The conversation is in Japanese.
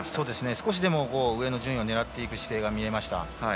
少し上の順位を狙っていく姿勢が見えました。